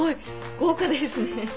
豪華ですね。